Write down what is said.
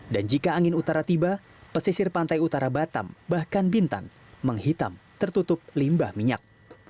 dan jika angin utara tiba pesisir pantai utara batam bahkan bintan menghitam tertutup limbah minyak